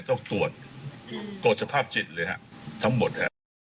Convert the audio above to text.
ต้องตรวจตรวจสภาพจิตเลยฮะทั้งหมดฮะ